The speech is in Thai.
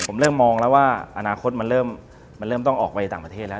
ผมเริ่มมองแล้วว่าอนาคตมันเริ่มต้องออกไปต่างประเทศแล้ว